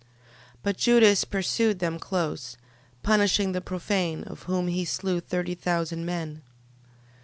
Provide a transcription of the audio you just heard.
12:23. But Judas pursued them close, punishing the profane, of whom he slew thirty thousand men.